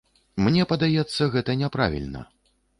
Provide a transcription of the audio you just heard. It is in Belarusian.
Мне падаецца, гэта няправільна.